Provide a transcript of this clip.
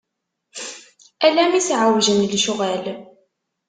Ala mi s-εewjen lecɣal.